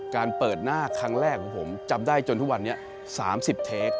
การเปิดหน้าครั้งแรกของผมจำได้จนทุกวันนี้๓๐เทค